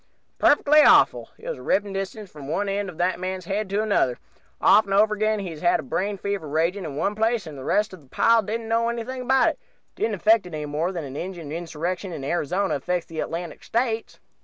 Perfectly awful. It was a ripping distance from one end of that man's head to t'other. Often and over again he's had brain fever a raging in one place, and the rest of the pile didn't know anything about it didn't affect it any more than an Injun Insurrection in Arizona affects the Atlantic States.